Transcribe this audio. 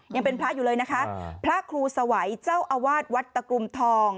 ยังเป็นพระอยู่เลยนะคะพระครูสวัยเจ้าอาวาสวัดตะกรุมทอง